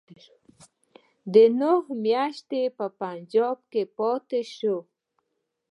دی نهه میاشتې په پنجاب کې پاته شو.